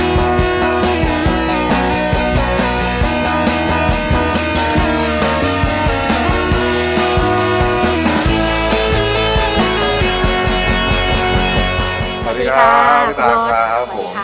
สวัสดีค่ะสวัสดีครับ